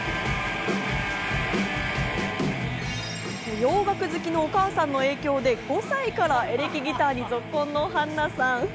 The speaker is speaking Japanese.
洋楽好きのお母さんの影響で５歳からエレキギターにぞっこんの絆菜さん。